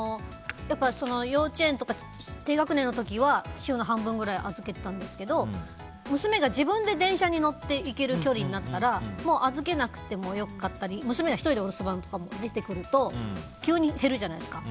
幼稚園とか低学年の時は週の半分くらい預けてたんですけど娘が自分で電車に乗って行ける距離になったらもう預けなくても良かったり娘が１人でお留守番とかできてくると急に減るじゃないですか。